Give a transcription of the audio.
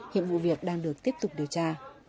hiện vụ việc đang được tiếp tục điều tra